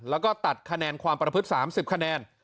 แล้วก็ตัดคะแนนความประพฤติ๓๐คะแนน